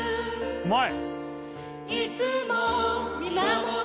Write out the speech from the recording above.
うまい！